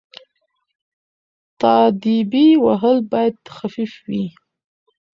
تاديبي وهل باید خفيف وي.